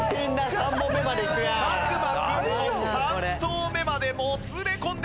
作間君も３投目までもつれ込んでしまった。